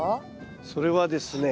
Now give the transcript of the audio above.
それはですね